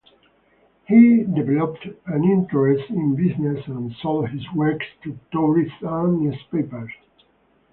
He developed an interest in business and sold his works to tourists and newspapers.